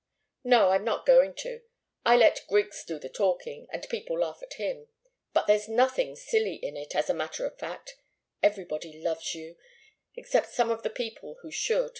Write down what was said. "No, I'm not going to. I let Griggs do the talking, and people laugh at him. But there's nothing silly in it, as a matter of fact. Everybody loves you except some of the people who should.